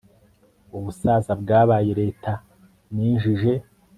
Ubusaza bwabaye leta ninjije